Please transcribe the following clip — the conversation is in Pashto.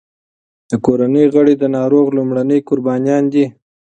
د کورنۍ غړي د ناروغ لومړني قربانیان دي.